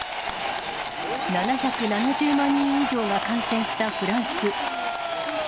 ７７０万人以上が感染したフランス。